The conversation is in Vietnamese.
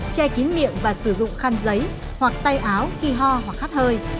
che kín miệng và sử dụng khăn giấy hoặc tay áo khi ho hoặc khát hơi